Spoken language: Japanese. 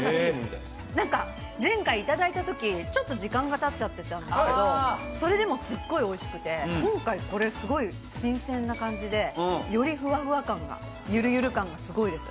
前回いただいたとき、ちょっと時間がたっちゃってたんですけど、それでもすっごいおいしくて今回これすごい新鮮な感じでよりふわふわ感、ゆるゆる感がすごいです。